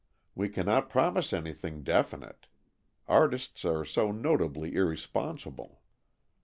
We cannot promise anything definite. Artists are so notably irresponsible."